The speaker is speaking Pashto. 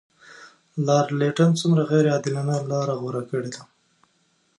لارډ لیټن څومره غیر عادلانه لار غوره کړې ده.